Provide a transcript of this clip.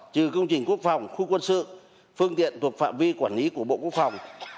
trừ công trình quốc phòng khu quân sự phương tiện thuộc phạm vi quản lý của bộ quốc phòng